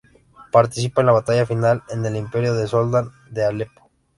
Participa en la batalla final en el imperio de soldán de Alepo.